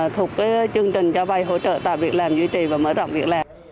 thuộc cái chương trình cho vai hỗ trợ tạo việc làm duy trì và mở rộng việc làm